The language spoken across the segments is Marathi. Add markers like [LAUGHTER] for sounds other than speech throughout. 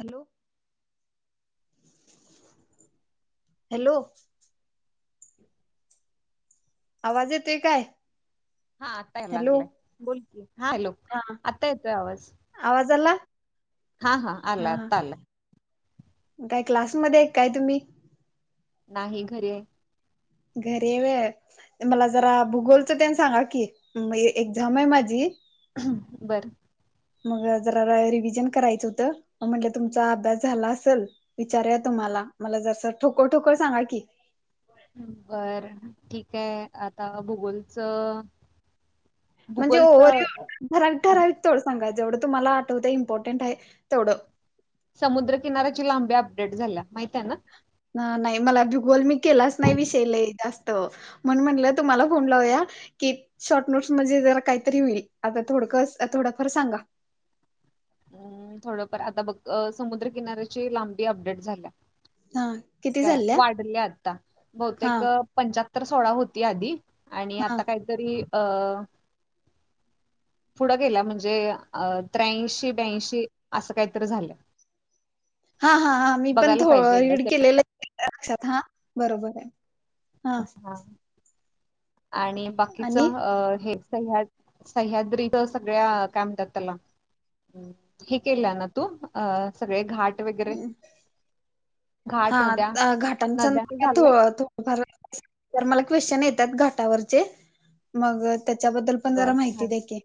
हॅलो.. हॅलो.. आवाज येतोय काय?? हा आता हॅलो यालागलाय. बोल की हा हॅलो आता येतोय आवाज. आवाज आला?? हां हां आला हा हा आता आला. काय क्लासमध्ये हाय काय तुम्ही?? नाही घरी हाय. घरी आहे व्हय मला जरा भूगोलचं तेन सांगा की एक्साम हाय माझी. बरं.. मग जरा रिव्हजन करायचं होतं मग म्हंटलं तुमचा अभ्यास झाला असलं. विचारूया तुम्हाला मला जरासं ठोकोळ ठोकोळ सांगा की. बरं ठीक आहे आता भूगोलच म्हणजे भूगोलच ओवर [UNINTELLIGIBLE] ठरावीक ठराविक तेवढंच सांगा जेवढं तुम्हाला आठवतयं इम्पॉर्टंट हाय तेवढं. समुद्रकिनाऱ्याची लांबी अपडेट झाल्या माहितीये ना. नाही मला भूगोल मी केलाच नाही विषय लई जास्त म्हणुन म्हटलं तुम्हाला फोन लावूया. की शॉर्ट नोट्स म्हणजे जरा कायतरी व्हील आता थोडक थोडंफार सांगा. हम्म थोडफार आता बघ समुद्रकिनाऱ्याची लांबी अपडेट झाल्या. हा किती काय झाल्या वाढल्या आता. हा बहुतेक पंचाहत्तर सोळा होती आधी आणि हा आता काहीतरी अ पुढं गेल्या म्हणजे अ त्र्यांशी ब्यांशी असं कायतरी झाल्या. हा हा हां मी पण पाहिजे थोडं एकदा रीड केलेलं आहे. लक्षात हा बरोबर हाय. हां.. ह आणि बाकीच अ आणि हेच सह्याद सह्याद्रीच सगळ्या काय म्हणत्यात त्याला हम्म हे केलय ना तू अ सगळे घाट वगैरे. घाट नद्या हा घाटांचा नद्याच [UNINTELLIGIBLE] झालंय र तर मला क्वेश्चन येत्यात घाटावरचे मग त्याच्याबद्दल पण बर जरा हा. माहिती द्या की.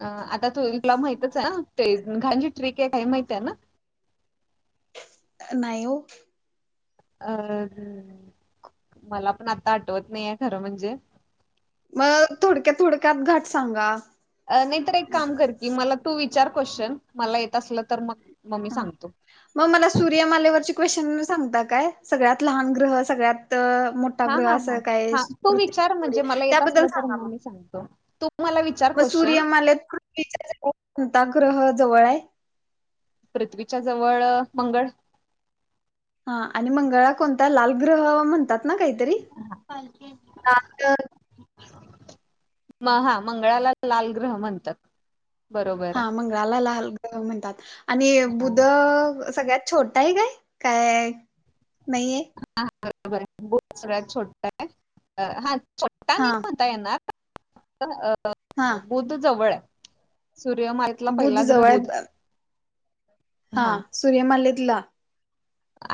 अ आता तुला माहितचय अ ते गांजी ट्रिक एकय माहितीय ना? नायी ओ अ, मला पण आता आठवत नाहीये, खरं म्हणजे मग थोडक्यात थोडक्यात घाट सांगा नाहीतर एक काम कर की मला तू विचार क्वेशन, मला येत असलं तर मग मी हा सांगतो मग मला सूर्यमालेवरची क्वेश्चन सांगता काय सगळ्यात लहान ग्रह सगळ्यात मोठ् टा हा ग्रह हा हा असं काय? हा तू पृथ्वी विचार रे म्हणजे मला येत त्याबद्दल असलं तर सांगा मग? मी सांगतो तू मला विचार मग क्वेश्चन सूर्यमालेत पृथ्वीच्या जवळ कोणता ग्रह जवळय? पृथ्वीच्या जवळ, मंगळ हा आणि मंगळा कोणता लालग्रह म्हणतात ना काहीतरी? लाल [UNINTELLIGIBLE] म हा मंगळालाच लाल ग्रह म्हणतात. बरोबर हा आहे. मंगळाला लाल ग्रह म्हणतात. आणि बुध हा सगळ्यात छोटाय काय? काय नाहीये हा बरोबरय, बुध सगळ्यात छोट्या, हा छोटा हा ता येणार, हा बुध जवळ सूर्य माले- - ला बुध पहिला, ग्रह जवळ बु्ध आहे हा, सूर्यमालेतला?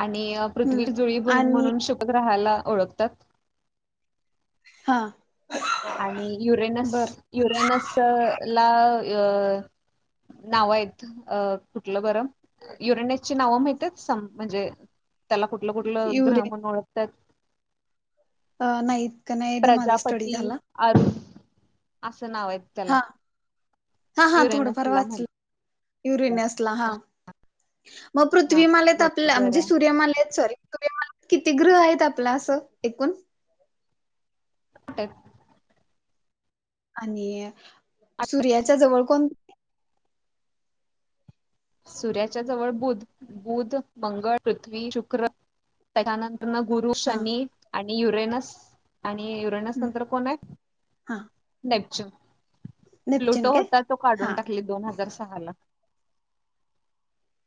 आणि पृथ्वी हम्म जुळी बहीण आणि म्हणून शुभग्रहाला ओळखतात हा आणि युरेनस बर युरेनस ला अ- - नाव आहेत अ कुठलं बरं युरेनसची नावं माहितीयत? म्हणजे त्याला कुठलं कुठलं युरे ग्रह म्हणून ओळखतात अ नायी इतका कदा माझा स्टडी झाला आरू असं नावयत त्याला, हा युरेनसला म्हणसला युरिनेसला हा मग हा पृथ्वीमालेत आपल्या बरोबर म्हणजे सूर्यमालेत, सॉरी सुर्य मालेत किती ग्रहयत? आपलं असं एकूण? े [UNINTELLIGIBLE] आणि सूर्याच्या जवळ कोण? सूर्याच्या जवळ बुध, बुध, मंगळ, पृथ्वी, शुक्र त्याच्यानं गुरु, हा शनी, आणि युरेनस आणि युरेनस नंतर कोणय? हा नेपच्यून नेपच्यून प्लुटो काय? होता तो काढून हा टाकले, दोन हजार सहाला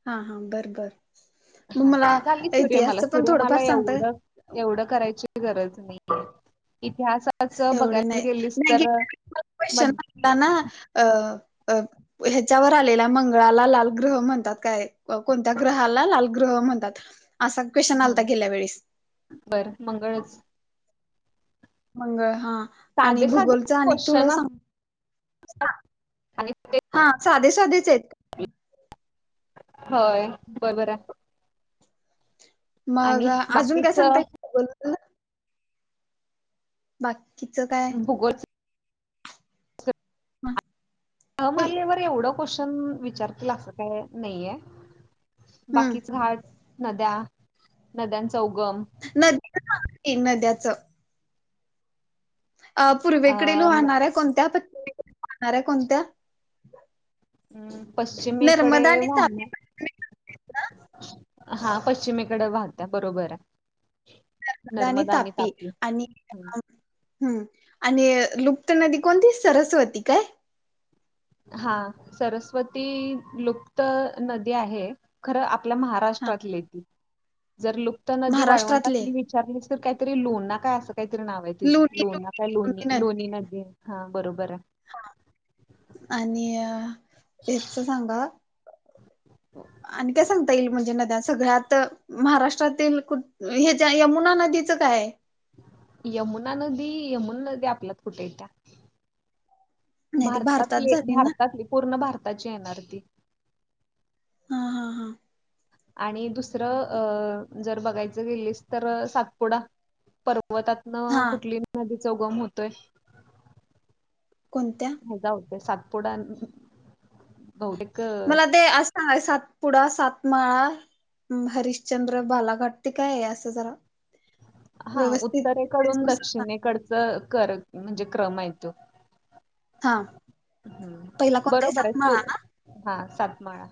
हा, हा, बरं बरं मग हा मला झाली सूर्यमाला इतिहासच पण थोडंफार सूर्यमाला सांगता एवढं एवढं करायची गरज नाहीये, इतिहास च एवढे बघायला नाही गेलीस तर, म ताना अ अ ह्याच्यावर आलेला. मंगळाला लाल ग्रह म्हणतात काय कोणत्या ग्रहाला लाल ग्रह म्हणतात? असा क्वेशन आलता गेल्या वेळेस बरं, मंगळच मंगळ हा आणि साधे साधे भूगोलचा अनीक क्वेश्चन थोडं सांग [INAUDIBLE] आणि ते [UNINTELLIGIBLE] हा साधे साधेचयत होय, बरोबरय मग आणि आजून काय बाकीच सांगताय बाकीचं काय भूगोलच म्हा अ मालेवर एवढं क्वेश्चन विचारतील असं काय नाहीये. हम्म बाकीचं घाट नद्या नद्यांचा उगम [INAUDIBLE] नद्याचं अ पूर्वेकडील वाहणाऱ्या कोणत्या पश्चिमेकडील वाहणाऱ्या कोणत्या पश्चिमेकडे नर्मदा आणि तापी वाहण्या हा पश्चिमेकडं वाहत्या बरोबर हाय. नर्मदा आणि तापी आणि हम्म. हम्म आणि लुप्त नदी कोणती सरस्वती काय हा सरस्वती लुप्त नदी आहे. खरं आपल्या हा महाराष्ट्रातली हाय ती जर लुप्त नदी महाराष्ट्रातले वाळवंटातली वि चारलीस तर कायतरी लोणा काय असं काहीतरी नाव हाय तिजं लुणी लोणा काय लुणी लोणी लुणी लोणी नदी हा बरोबराय हा आणि अ हेचं सांगा आणि काय सांगता येईल म्हणजे नद्या सगळ्यात महाराष्ट्रातील कुठ हेच्या यमुना नदीचं काय हाय यमुना नदी यमुना नदी आपल्यात कुटं इत्या नाही ती भारतात भारतातली झाली ना भारतातली पूर्ण भारताची येणार ती हा हा हा आणि दुसरं अ जर बघायचं गेलीस तर सातपुडा पर्वतात हा नं हा कुठली नदीचा उगम होतोय. कोणत्या हे जाऊदे सातपुडा न बहुतेक अ, मला ते असं सांगा सातपुडा सातमाळा हरिश्चंद्र बालाघाट ते काय आहे असं जरा हा व्यवस्थित उत्तरेकडून नुसार सांग. दक्षिणेकडचं कर म्हणजे क्रम हाय त्यो. हा पहिला हम्म कोणताही बरोबर आहेस तू. सातमाळा ना हा सातमाळा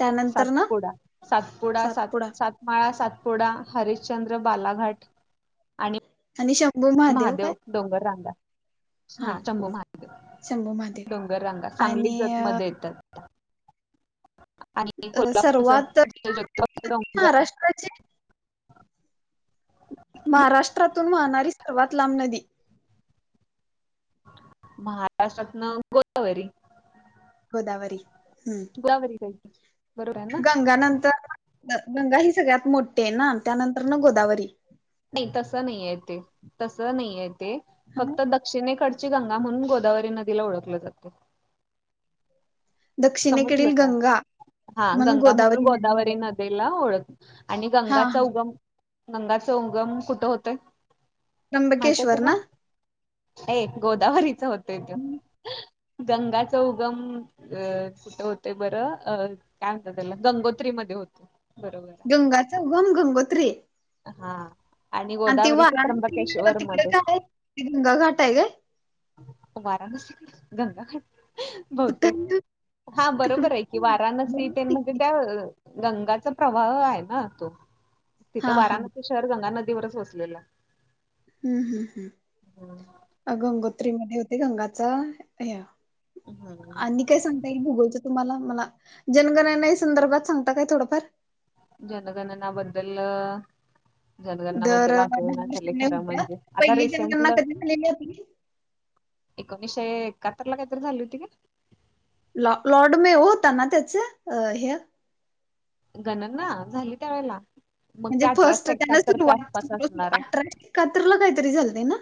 त्यानंतर ना सातपुडा सातपुडा सात सात माळा सातपुडा हरिश्चंद्र बालाघाट. आणि शंभू महादेव काय. डोगर रांगा. हा शंभू शंभू महादेव महादेव डोंगर रांगा सांगली जत आणि मध्ये येत्यात त्या. आणि सर्वात कोल्हापूरचं [INAUDIBLE] डोंगर हाय. महाराष्ट्राची महाराष्ट्रातून वाहणारी सर्वात लांब नदी. महाराष्ट्रातनं गोदावरी. गोदावरी हम्म गोदावरी जायची बरोबर आहे ना गंगा नंतरनं ग गंगा ही सगळ्यात मोठ्ठी हाय ना त्यानंतरनं गोदावरी. नाही तसं नाहीये तेे तसं नाहीये तेे ह फक्त द क्षिणेकडची गंगा म्हणून गोदावरी नदीला ओळखलं जाते. समजलं दक्षिणेकडील काय गंगा. हा गंगा म्हणून गोदावरी नदीला ओळख आणि हा हा गंगाचा उगम गंगाचा उगम कुठं होतोय माहिते त्र्यंबकेश्वर तुला ना ए गोदावरीचा होतोय त्यो गंगाचा उगम अ कुठं होतोय बरं अ काय म्हणतात त्याला गंगोत्री मध्ये होतो बरोबर हाय. गंगाचा उगम गंगोत्री. हा आणि ती गोदावरीच वाराणसी त्र्यंबकेश्वर तिकडे मध्ये. काय गंगा घाट आहे काय वाराणसी गंगाघाट. कुठ बहुतेक. हा तिकड बरोबर आहे की वाराणसी तेन म्हणजे त्या गंगाचा प्रवाह आहे ना. तिथं हा हा वाराणसी शहर गंगा नदीवरच वसलेलं हाय. हं- हं- हं अ गंगोत्री मध्ये होते गंगाचा हे हं. काय सांगता येईल भुगालचं तुम्हाला, मला जनगणने संदर्भात सांगता काय थोडंफार. जनगणना बद्दल दर जनगणनाबद्दल अ, दहा आठवना झालय वर्षांनी खरं होत्या म्हणजे, आता पहिली जनगणना रिसेंटल कधी झालेली आपली एकोणीसशे एकाहत्तर ला काहीतरी झाली होती. लॉ लॉर्ड मे होता ना त्याच अ हे गणना झाली त्यावेेळेला. मग ते म्हणजे फर्स्ट अठराशे त्यांन एकाहत्तरच्या सुरुवात आसपास केली होती. असणार आहे अठराशे एकाहत्तरला काहीतरी झालती ना.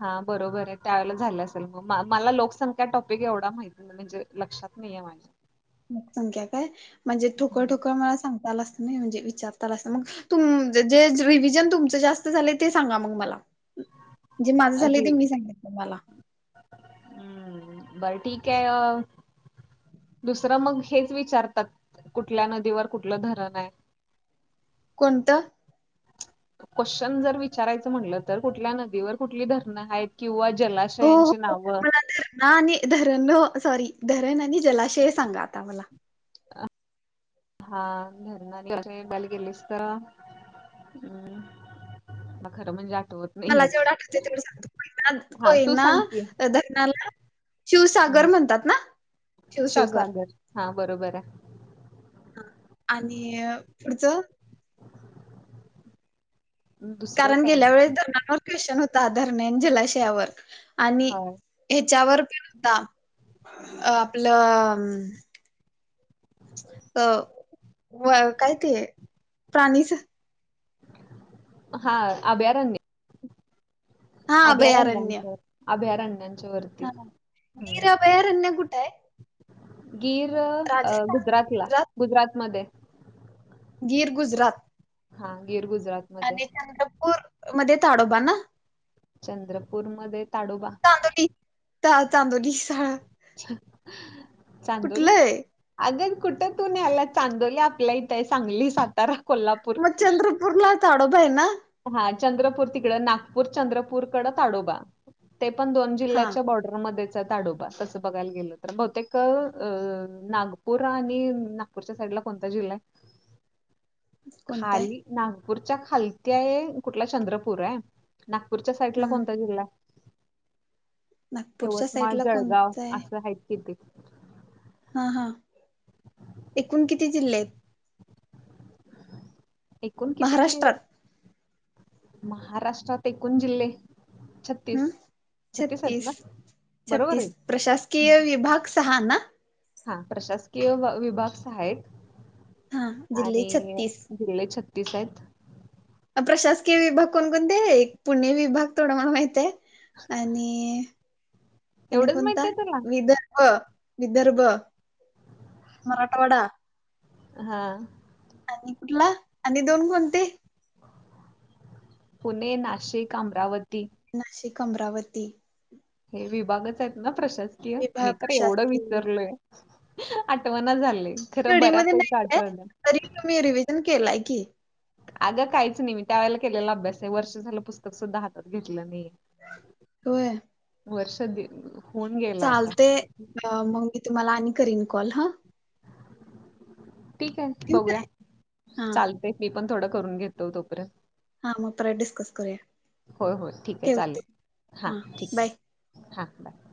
हा बरोबर आहे. त्यावेेळेला झालं असेल मग, मला लोकसंख्या टॉपिक एवढा मला माहिती नाही. म्हणजे लक्षात नाही आहेे माझ्या. लोकसंख्या काय, म्हणजे ठोकळ-ठोकळ मला सांगता आल असंत. नाही म्हणजे विचारता आल असत, मग तुमच जे रिव्हिजन तुमच जास्त झालय ते सांगा मग मला. जे माझं झालंय अरे ते मी सांगते तुम्हाला. हम्म बरं ठीक आहे. अ दुसरं मग हेच विचारतात, कुठल्या नदीवर कुठलं धरण हाय. कोणत. क्वेश्चन जर विचारायचं म्हटलं तर, कुठल्या नदीवर कुठली धरणं आहेत किंवा जलाशयांची नावं. धरणा आणि धरण सॉरी धरण आणि जलाशय सांगा आता मला. हा धरण जर बघायला गेलीस तर. हम्म, खरं म्हणजे आठवत नाही. मला जेवढं आठवतय तेवढं सांगतो. कोयना- हा तू सांग की कोयना धरणाला हम्म शिवसागर म्हणतात ना. शिवसागर हा बरोबर. आणि पुढचं आहे दुसरं कारण काय गेल्या वेळेस मग धरणांवर क्वेश्चन होता, धरणे न जलाशयावर आणि होय ह्याच्यावर पण होता. आपलं अ व काय ते प्राणी. हा अभयारण्य. हा अभयारण्य अभ्यारण्याच्या अभ्यारण्यांच्या वरती. हा हम्म गिरं अभयारण्य कुठ हाय. गीर गुजरातला गुजरात मध्ये आहे. गीर गुजरात हा गिर गुजरात. आणि चंद्रपूर. मध्ये ताडोबा ना चंद्रपूरमध्ये ताडोबा. चांदोली चा चांदोलीचा चांदोली. कुठलंय अगं कुठं तू न्याल्यास, चांदोली आपल्या इथय सांगलीला. तर कोल्हापूर मग चंद्रपूरला ताडोबा आहे ना हा चंद्रपूर तिकड नागपूर चंद्रपूरकड ताडोबा ते पण दोन हा जिल्ह्याच्या बॉर्ड र मध्येच आहे ताडो तंस बघायला गेल तर बहुतेक नागपूर आणि नागपूरच्या साईडला कोणता जिल्हा आहे? कोणताय खाली नागपूरच्या खालती आहे कुठला चंद्रपूर आहे नागपूरच्या साईड ला हम्म कोणता जिल्हा हाय? नागपूरच्या साईड ला जळगाव असं आहेत की ते हा हा एकूण किती जिल्हे आहेत? एकूण किती जिल्हे महाराष्ट्रात आहेत? महाराष्ट्रात एकूण जिल्हे छ हम् छत्तीस बरोबर छत्तीस आहे प्रशासकीय विभाग सहा ना हा प्रशासकीय विभाग सहा आहेत हा आणि जिल्हे छत्तीस जिल्ले छत्तीस आहेत. प्रशासकीय विभाग कोणकोणते एक पुणे विभाग तेवढा मला माहित आहे आणि आणि एवढंच माहित कोणता आहे तुला? विध विदर्भ मराठवाडा हा आणि कुठला आणि दोन कोणते? पुणे नाशिक अमरावती नाशिक अमरावती हे विभागच आहेत ना प्रशासकीय विभाग मी तर एवढं प्रशासकीय विसरलोय. आठवना झालय खरं स्टडी मध्ये नाही बऱ्यापैकी काय आठवल. तरी तुम्ही रिव्हजन केलाय की अगं काहीच नाही मी त्यावेेळेला केलेला अभ्यास आहे वर्ष झालं पुस्तक सुद्धा हातात घेतलं नाहीे. होय वर्ष द चालतय मग मी तुम्हाला आणि करीन कॉल हा ठीक आहे ठेवू बघूया काय हा चालत मी पण थोडं करून घेतो तोपर्यंत हा मग परत डिस्कस करूया हो होय ठीक आहे चालेल ठेवते हा ठीक हा बाय.